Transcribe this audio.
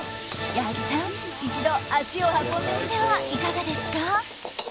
矢作さん、一度足を運んでみてはいかがですか。